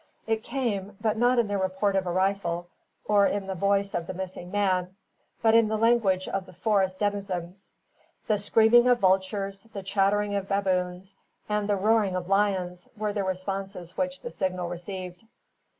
It came, but not in the report of a rifle, or in the voice of the missing man, but in the language of the forest denizens. The screaming of vultures, the chattering of baboons, and the roaring of lions were the responses which the signal received.